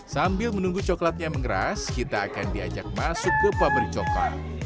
sambil menunggu coklatnya mengeras kita akan diajak masuk ke pabrik coklat